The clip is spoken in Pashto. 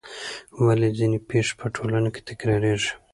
ولې ځینې پېښې په ټولنه کې تکراریږي؟